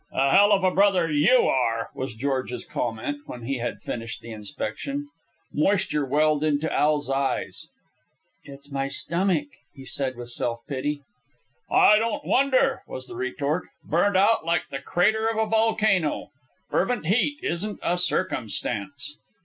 "A hell of a brother YOU are," was George's comment when he had finished the inspection. Moisture welled into Al's eyes. "It's my stomach," he said with self pity. "I don't wonder," was the retort. "Burnt out like the crater of a volcano. Fervent heat isn't a circumstance."